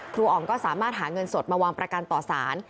อ๋องก็สามารถหาเงินสดมาวางประกันต่อสาร